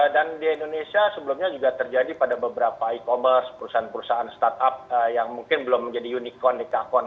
dan di indonesia sebelumnya juga terjadi pada beberapa e commerce perusahaan perusahaan startup yang mungkin belum menjadi unicorn dekakon